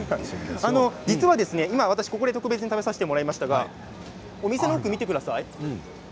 実は、今、私特別に食べさせていただきましたがお店の奥を見てください。